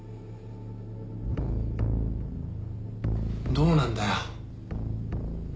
どうなんだよ？